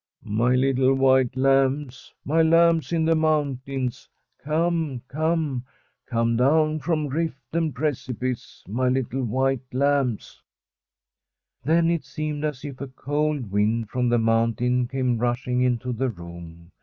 ' My little white lambs, my lambs in the mountains, come, come! Come down from rift and precipice, my little white lambs I ' Then it seemed as if a cold wind from the mountain came rushing into the room.